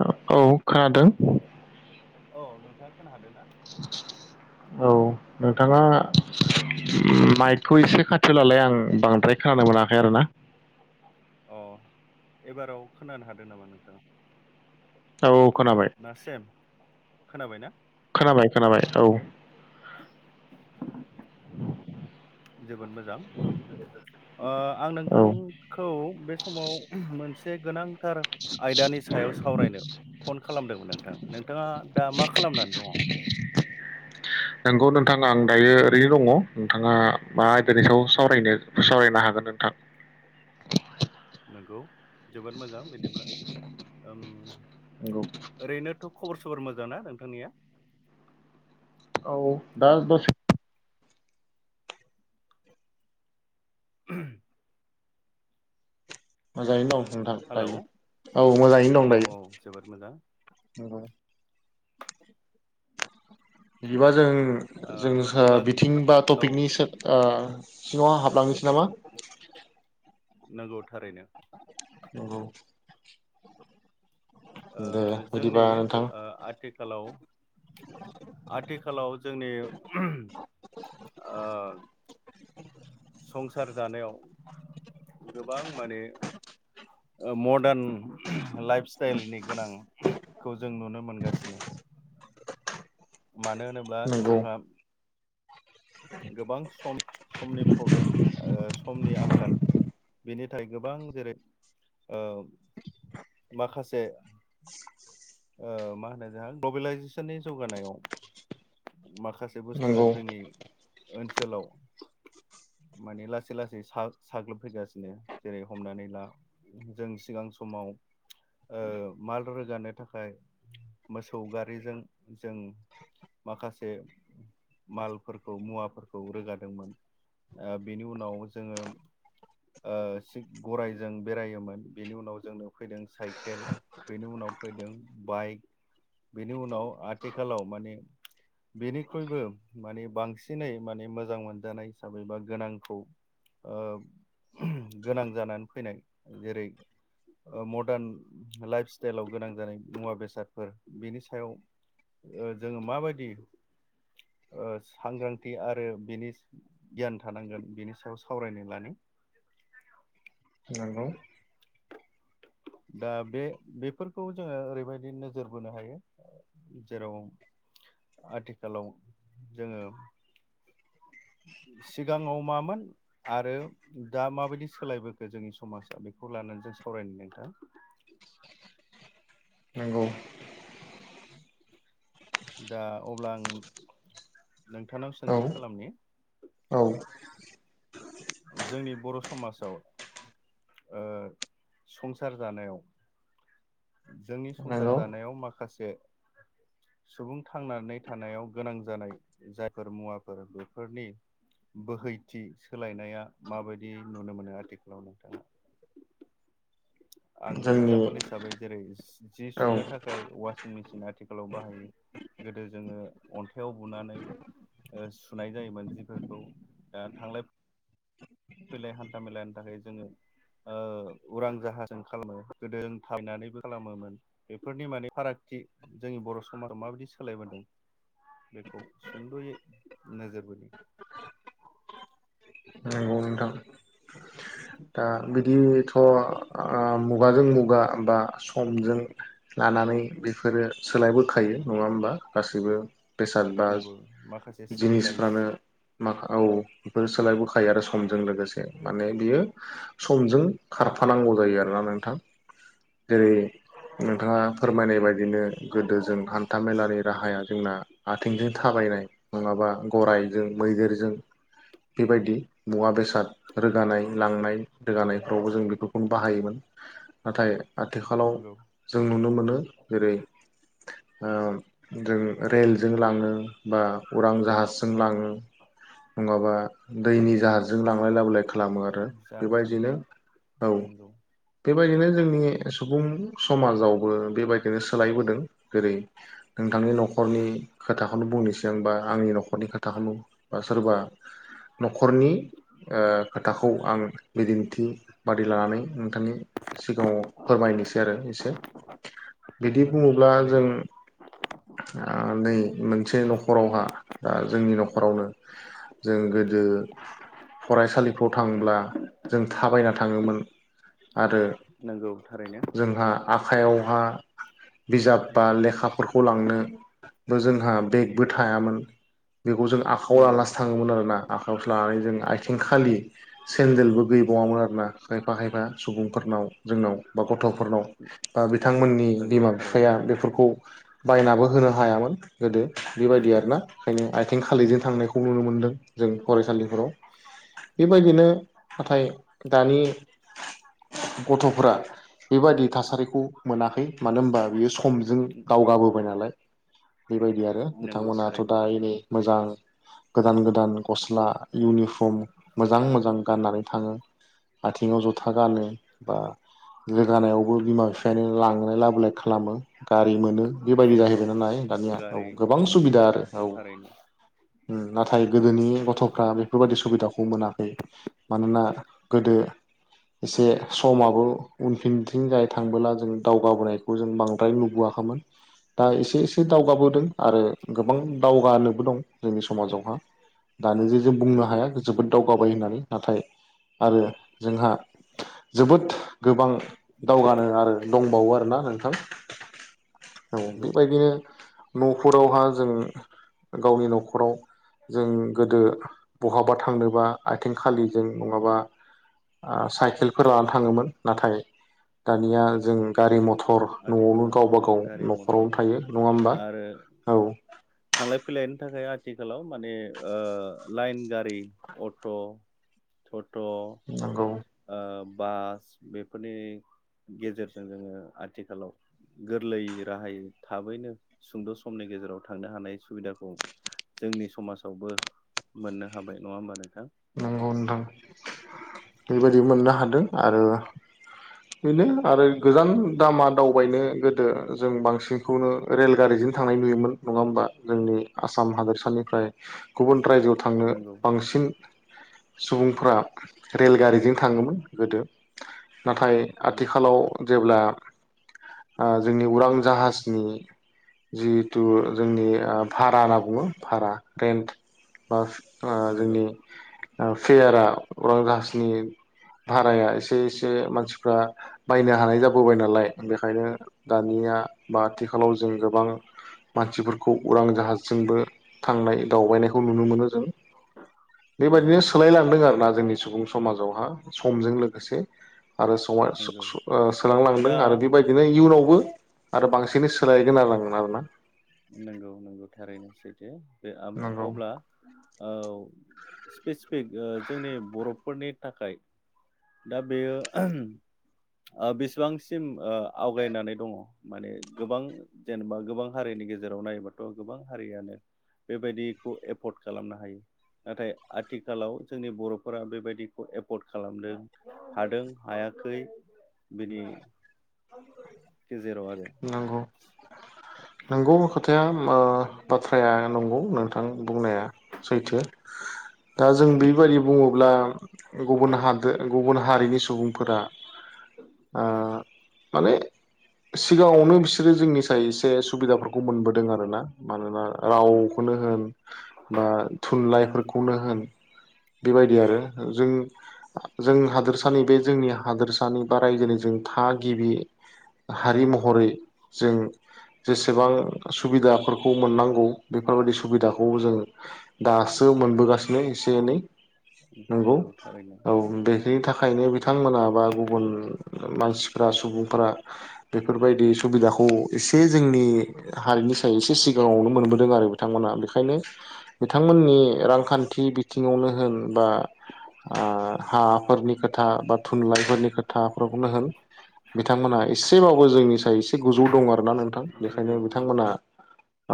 औ खोनादों औ नोंथां। औ नोंथाङा माइकखौ एसे खाथिलालाय आं बांद्राय खोनानाय मोनाखै आरोना। अ एबाराव खोनानो हादों नामा नोंथाङा? औ औ खोनाबाय। ना सेम खोनाबायना? खोनाबाय खोनाबाय औ। जोबोद मोजां ओ आं औ नोंथांखौ बे समाव मोन से गोनां थार आयदानि सायाव सावरायनो फन खालामदोंमोन नोंथां नो थाङा दा मा खालामनानै दङ? नंगौ नोंथाङा आं दायो ओरैनो दङ नोंथाङा मा आयदानि सावरायनो सावरायनो हागोन नोंथां। नंगौ जोबोद मोजां बिदिब्ला ओम नंगौ ओरैनोथ' खबर सबर मोजां ना नोंथांनिया? औ दा दसे मोजांङै दं। नोंथां हेलौ दायो औ मोजाङैनो औ दं औ जोबोद मोजां दायो। बिदिबा जों ओम ओ जों सा अब्ला बिथिं बाथ औ पिकनि सा आ सिङाव हाबलांनोसै नामा? नंगौ थारैनो नंगौ दे ओह जोंनि बिदिबा नोंथां ओ आथिखालाव आथिखालाव जोंनि ओह संसार जानायाव गोबां माने मडार्न लाइफ स्टाइलनि गोनांखौ जों नुनो मोनगासिनो मानो होनोब्ला नंगौ जोंहा गोबां सम समनि प्रब्लेम ओह समनि आंखाल। बिनि थाखाय गोबां जेरै ओह माखासे [inaudible] ओह मा होनो जोंहा ग्लबेलाइजेसननि जौगानायाव माखासे बुस्थुआ नंगौ जोंनि ओनसोलाव माने लासै लासै सा-साग्लोबफैगासिनो जेरै हमनानै ला जों सिगां समाव ओह माल रोगानो थाखाय मोसौ गारिजों जों माखासे मालफोरखौ मुवा फोरखौ रोगादोंमोन ओह बेनि उनाव जोङो ओ गरायजों बेरायोमोन बेनि उनाव जोंनो फैदों साइकेल बेनि उनाव फैदों बाइक बेनि उनाव आथिखालाव माने बेनिख्रुइबो माने बां सिनै माने मोजां मोनजानाय हिसाबै बा गोनांखौ ओ गोनां जानानै फैनाय जेरै मदार्न लाइफ स्टाइलाव गोनां जानाय मुवा बेसादफोर बिनि सायाव ओह जोङो माबायदि ओ सांग्रां थि आरो बिनि गियान थानांगोन बेनि सायाव सावरायनाय लानि। नांगौ दा बे बेफोरखौ जोङो ओरैबायदि नोजोर बोनो हायो जेराव आथिखालाव जोङो सिगाङाव मामोन आरो दा माबायदि सोलायबोखो जोंनि समाजा बेखौ लानानै जों सावरायनो नोंथां। नोंगौ दा अब्ला आं नोंथांनाव औ सोंथि खालामनि औ जोंनि बर' समाजाव ओ संसार जानायाव जोंनि संसार नंगौ जानायाव माखासे सुबुं थांनानै थानायाव गोनां जानाय जायफोर मुवाफोर बेफोरनि बोहैथि सोलायनाया माबायदि नुनो मोनो आथिखालाव नोंथाङा आं जोंनि एक्जाम्पोल हिसा हिसाबै जेरै जि औ सुनो थाखाय अवासिं मेसिन आथिखालाव बाहायो गोदो जोङो अन्थायाव बुनानै ओह सुनाय जायोमोन जिफोरखौ दा थांलायै फैलाय हान्था मेलानि थाखाय जोङो ओ उरां जाहाजों खालामो गोदो थबायनानैबो खालामोमोन बेफोरनि माने फारागथि जोंनि बर' समाजाव माबायदि सोलायबोदों बेखौ सुंद'यै नोजोर बोदों नंगौ नोंथां दा बिदिथ' ओ मुगाजों मुगा बा समजों लानानै बेफोरो सोलायबोखायो नङा होमबा गासैबो बेसाद बा नंगौ माखासे सिभिलाइस जिनिसफ्रानो मा औ बेफोर सोलायबोखायो आरो सम जों लोगोसे माने बियो समजों खारफानांगौ जायो आरोना नोंथां लांनाय नंगौ रोगानायफ्रावबो जों बेखौ बाहायोमोन नाथाय आथिखालाव नंगौ जों नुनो मोनो जेरै ओ जों रेलजों लाङो बा उरां जाहाजजों लाङो नङाबा दैनि जाहाजजों लांलाय लाबोलाय खालामो आरो आरो जाहाजजों बेबायदिनो औ नंगौ बेबायदिनो जोंनि सुबुं समाजावबो बेबायदिनो सोलायबोदों जेरै नोंथांनि न'खरनि खोथाखौनो बुंनोसैआं बा आंनि न'खरनि खोथाखौनो बा सोरबा न'खरनि ओ खोथाखौ खौ आं बिदिन्थि बादि लानानै ओम नोंथांनि सिगाङाव फोरमायनोसै आरो एसे बिदि नंगौ बुङोब्ला जों थारैनो आ नै मोनसे न'खरावहा दा जोंनि न'खरावनो जों गोदो फरायसालि थांब्ला जों थाबायना थाङोमोन आरो नंगौ थारैनो जोंहा आखाइयावहा बिजाब बा लेखा बेफोरखौ लांनो बोजों हा बेग बो थायामोन बेखौ जों आखाव नंगौ लानासो थाङोमोन आर ना आखावसो लानानै जों आयथिंखालि सेन्देलबो गैबावामोन आरोना खायफा खायफा सुबुंफोरनाव जोंनाव बा गथ'फोरनाव बा बिथांमोननि नंगौ बिमा थारैनो बिफाया बेफोरखौ बायनाबो होनो हायामोन गोदो बेबायदि आरोना ओंखायनो आथिं खालिजों थांनायखौ नुनो मोन्दों जों फरायसालिफोराव बेबायदिनो नाथाय दानि गथ'फोरा बेबायदि थासारिखौ मोनाखै मानो होनबा बियो समजों दावगाबोबाय नालाय बेबायदि आरो नंगौ बिथांमोनाथ थारैनो दा एनै मोजां गोदान गोदान गस्ला इउनिफर्म मोजां मोजां गाननानै थाङो आथिङाव जुथा गानो बा लोगानायावबो बिमा बिफायानो लांलाय लाबोलाय खालामो गारि मोनो बेबायदि नंगौ जाहैबाय नालाय दानिया औ गारि गोबां सुबिदा आरो औ थारैनो उम नाथ थाय गोदोनि गथ'फ्रा बेफोरबायदि सुबिदाखौ मोना मानोना गोदो एसे समाबो उनफिनथिं जाय थांबोला जों दावगाबोनायखौ जों बांद्राय नुबोआखैमोन दा एसे एसे दावगाबोदों आरो गोबां दावगानोबो दं जोंनि समाजावहा दानो जे जों बुंनो नंगौ हाया जोबोद दावगाबाय होननानै नाथाय आरो जोंहा जोबोद गोबां दावगानो आरो दं बावो आरोना नोंथां। औ नंगौ बेबायदिनो न'खरावहा जों गावनि न'खराव जों गोदो बहाबा थांदों बा आथिं खालिजों नङाबा आ साइकेल फोर लाना थाङोमोन नाथाय दानिया जों गारि मथ थर न'आवनो आथिखालाव गावबा गाव गारि मथर न'खरावनो थायो नङा होमबा आरो औ। नि थाखाय आथिखालाव माने ओ लाइन गारि अट' सत नंगौ त' ओ बास बेफोरनि गेजेरजों जोङो आथिखालाव गोरलैयै राहायै थाबैनो सुंद' समनि गेजेराव थांनो हानाय सुबिदाखौ जोंनि समाजावबो मोननो हाबाय नङा होमबा नोंथां? नोंगौ नोंथां बेबायदि मोननो हादों आरो बेनो आरो गोजान दामा दावबायनो गोदो जों बांसिनखौनो रेलगारिजों थांनाय नुयोमोन नङा होमबा जोंनि आसाम हादोरसानिफ्राय गुबुन रायजोआव थांनो नंगौ बांसिन सुबुंफोरा रेलगारिजों थाङोमोन गोदो। नाथाय आथिखालाव जेब्ला ओ जोंनि उरां जाहाजनि जिहेथु जोंनि ओ भारा होनना बुङो भारा रेन्ट बा ओ नंगौ जोंनि फेयारा उरां जाहाजनि भाराया एसे एसे मानसिफ्रा बायनो हानाय जाबोबाय नालाय बेखायनो दानिया बा आथिखालाव जों गोबां मानसिफोरखौ उरां जाहाजजोंबो थांनाय दावबायनायखौ नुनो मोनो जों। बेबायदिनो नंगौ सोलायलांदों आरोना जोंनि सुबुं समाजावहा समजों जों लोगोसे आरो सम नंगौ [inaudible] सोदांलांदों दा आरो बेबायदिनो इयुनावबो आरो बांसिनै सोलायगोन आरो आङ [inaudible] आरोना नंगौ नंगौ थारैनो सैथो [inaudible] नंगौ अब्ला औ स्पेसिफिक जोंनि बर'फोरनि थाखाय दा बेयो बेसेबांसिम ओ आवगायनानै दङ माने गोबां जेनेबा गोबां हारिनि गे जेराव नायोबाथ' गोबां हारियानो बेबायदिखौ एफर्ड खालामनो हायो नाथाय आथिखालाव जोंनि बर'फोरा बेबायदिखौ एफर्ड खालामदों हादों हायाखै बिनि गेजेराव आरो नंगौ नंगौ खोथाया ओ बाथ्राया नंगौ नोंथां बुंनाया सैथो दा जों बेबायदि बुङोब्ला गुबुन हादो गुबुन हारिनि सु सुबुंफोरा ओ माने सिगाङावनो बिसोरो जोंनि साय एसे सुबिदाफोरखौ मोनबोदों आरो ना मानोना नंगौ रावखौनो होन बा थुनलाइफोरखौनो होन बेबायदि आरो जों जों हादोरसानि बे जोंनि हादोरसानि बा रायजोनि जों थागिबि हारि महरै जों जेसेबां सुबिदाफोरखौ मोननांगौ बेफोरबायदि सुबिदाखौ जों दासो मोनबोगासिनो एसे एनै नंगौ औ बेनि थाखाय थाखायनो बिथांमोना बा गुबुन मानसिफ्रा सुबुंफ्रा बेफोरबायदि सुबिदाखौ एसे जोंनि हारिनि सायाव एसे सिगाङावनो मोनबोदों आरो बिथांमोना बेखायनो बिथांमोननि रांखान्थि बिथिङावनो होन बा ओ हाफोरनि खोथा बा थुनलाइफोरनि खोथाफोरखौनो होन बिथांमोना एसेबाबो जोंनि सायाव एसे गोजौ दं आरोना नोंथां बेखायनो गोजौआव दं बिथांमोना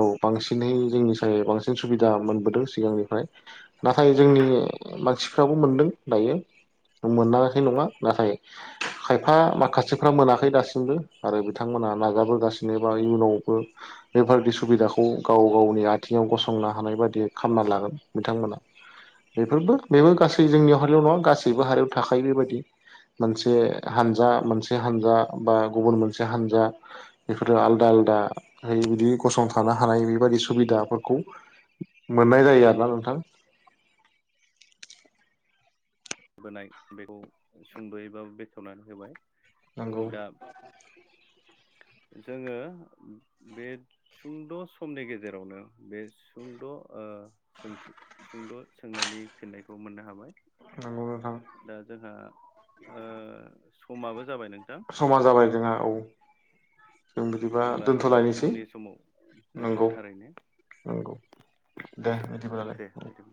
औ बांसिनहै जोंनि नंगौ सायाव थारैनो बांसिन सुबिदा मोनबोदों सिगांनि नाथाय जोंनि मानसिफ्राबो मोनदों दायो मोनाखै नङा नाथाय खायफा माखासेफ्रा मोनाखै दासिम आरो बिथांमोना नाजाबोगासिनो जेनोबा नंगौ इयुनावबो बेफोरदि सुबिदाखौ गाव गावनि आथिङाव गसंनो हानाय बादि खालामना लागोन बिथांमोना बेफोरबो बेबो गासै जोंनियाव हारियाव नङा गासैबो हारियाव थाखायो बेबायादि मोनसे हानजा मोनसे हानजा बा गुबुन मोनसे हानजा बेफोरो आलदा आलदा बिदि गसंथानो हानाय बेबायादि सुबिदाफोरखौ मोननाय जायो आरोना नोंथां बोनाय बेखौ सुंद'यैबा बेखेवनानै होबाय नंगौ दा जोङो बे सुंद' समनि गेजेरावनो बे सुंद' ओ सोंथि सुंद' सोंनायनि फिननायखौ मोननो हाबाय नंगौ नोंथां दा जोंहा ओ समाबो जाबाय नोंथां समा जाबाय जोंहा औ जों बिदिबा अब्ला दोनथ' जोङो लायनोसै उननि समाव नोंगौ नंगौ थारैनो नंगौ दे बिदिबालाय दे बिदिब्ला